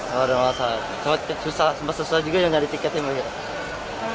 oh darmawangsa susah susah juga yang cari tiketnya